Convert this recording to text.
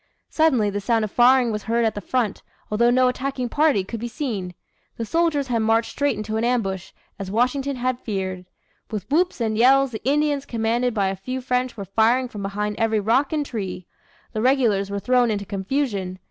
Suddenly the sound of firing was heard at the front, although no attacking party could be seen. The soldiers had marched straight into an ambush, as Washington had feared. With whoops and yells the Indians commanded by a few French were firing from behind every rock and tree. The regulars were thrown into confusion.